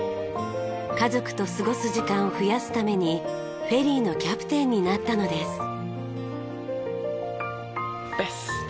家族と過ごす時間を増やすためにフェリーのキャプテンになったのです。